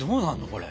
これ。